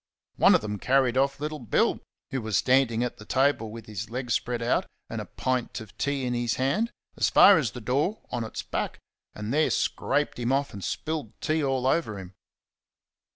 One of them carried off little Bill who was standing at the table with his legs spread out and a pint of tea in his hand as far as the door on its back, and there scraped him off and spilled tea over him.